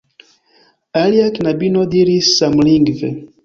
Alia knabino diris samlingve: